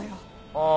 ああ